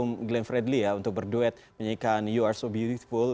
almarhum glenn fredly ya untuk berduet menyanyikan you are so beautiful